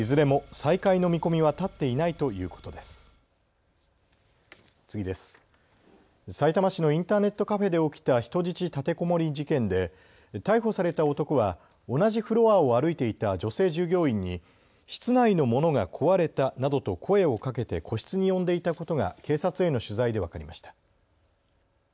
さいたま市のインターネットカフェで起きた人質立てこもり事件で逮捕された男は同じフロアを歩いていた女性従業員に室内のものが壊れたなどと声をかけて個室に呼んでいたことが警察への取材で分かりました。